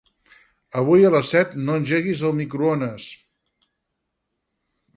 Avui a les set no engeguis el microones.